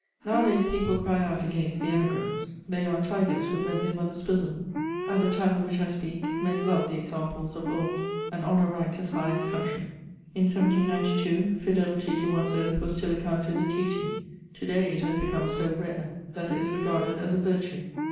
Nowadays people cry out against the Emigrants: they are "tigers who rent their mother's bosom;" at the time of which I speak, men loved the examples of old, and honour ranked as high as country. In 1792, fidelity to one's oath was still accounted a duty; to day, it has become so rare that it is regarded as a virtue.